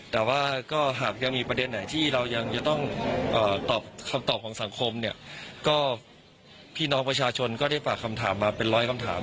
แต่ว่าก็หากยังมีประเด็นไหนที่เรายังจะต้องตอบคำตอบของสังคมเนี่ยก็พี่น้องประชาชนก็ได้ฝากคำถามมาเป็นร้อยคำถาม